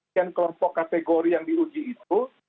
sekian kelompok kategori yang diuji itu